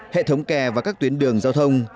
hệ thống kè và các tuyến đường giao thông